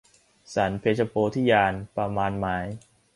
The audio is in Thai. สรรเพชญโพ ธิญาณ ประมาณหมาย